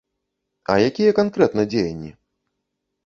А якія канкрэтна дзеянні?